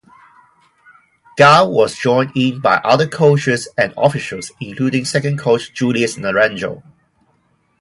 Gao was joined in by other coaches and officials including second coach Julius Naranjo.